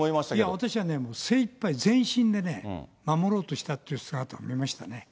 私はね、もう精いっぱい、全身でね、守ろうとしたという姿を見ましたね。